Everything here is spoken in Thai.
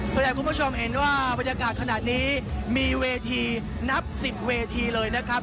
เพื่อให้คุณผู้ชมเห็นว่าบรรยากาศขนาดนี้มีเวทีนับ๑๐เวทีเลยนะครับ